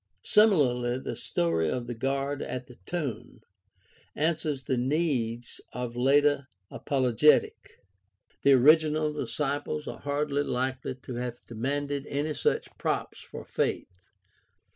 Similarly, the story of the guard at the tomb (Matt. 27 : 27 66 ; 28 : 1 1 15) answers the needs of later apologetic. The original disciples are hardly likely to have demanded any such props for faith.